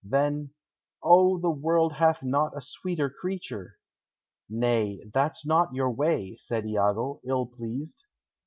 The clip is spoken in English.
Then, "O, the world hath not a sweeter creature!" "Nay, that's not your way," said Iago, ill pleased.